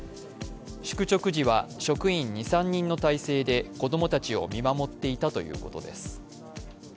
宿直時は職員２３人の態勢で子供たちを見守っていたということです。